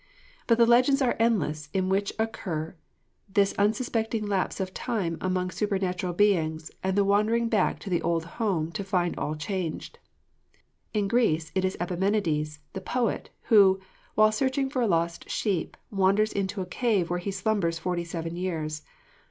But the legends are endless in which occur this unsuspected lapse of time among supernatural beings, and the wandering back to the old home to find all changed. In Greece, it is Epimenides, the poet, who, while searching for a lost sheep, wanders into a cave where he slumbers forty seven years.